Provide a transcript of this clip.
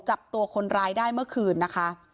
จับตัวคนร้ายได้เมื่อคืนนะคะ